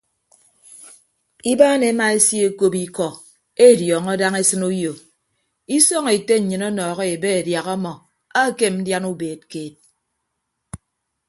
Ibaan ema esekop ikọ ediọọñọ daña esịn uyo isọñ ete nnyịn ọnọhọ ebe adiaha ọmọ ekem ndian ubeed keed.